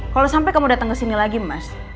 kalau sampai kamu datang kesini lagi mas